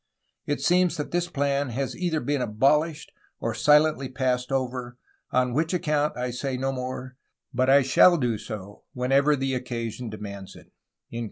It seems that this plan has either been abolished or silently passed over, on which account I say no more, but I shall do so whenever occasion demands it."